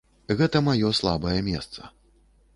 Гэта маё слабае месца.